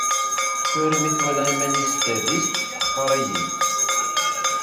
Tura mi twala iman-is s tadist, teḥqer-iyi.